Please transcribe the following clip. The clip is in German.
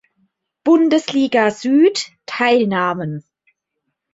Bundesliga Süd teilnahmen.